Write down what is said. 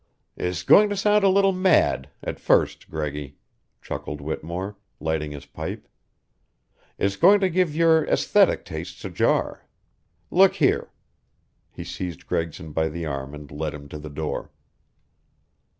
"It's going to sound a little mad at first, Greggy," chuckled Whittemore, lighting his pipe. "It's going to give your esthetic tastes a jar. Look here!" He seized Gregson by the arm and led him to the door.